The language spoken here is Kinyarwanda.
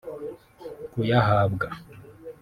kuyahabwa